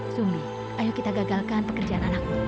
sumi ayo kita gagalkan pekerjaan anakmu